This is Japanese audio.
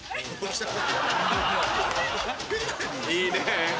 いいねぇ。